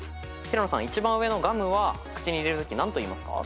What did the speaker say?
平野さん一番上のガムは口に入れるとき何と言いますか？